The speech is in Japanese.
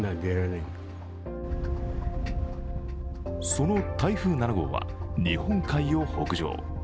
その台風７号は、日本海を北上。